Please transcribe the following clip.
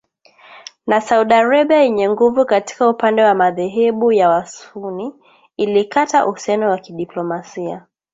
na Saudi Arabia yenye nguvu katika upande madhehebu ya wasunni, ilikata uhusiano wa kidiplomasia